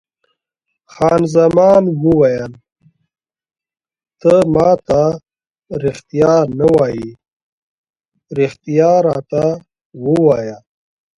خان زمان وویل: ته ما ته رښتیا نه وایې، رښتیا راته ووایه.